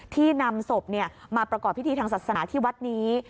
นำศพมาประกอบพิธีทางศาสนาที่วัดนี้